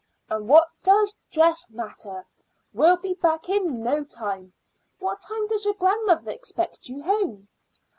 And what does dress matter? We'll be back in no time. What time does your grandmother expect you home?"